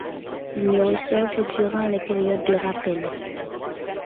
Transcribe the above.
Il ne ressort que durant les périodes de rappel.